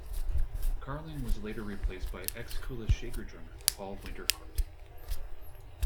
Carling was later replaced by ex-Kula Shaker drummer Paul Winter-Hart.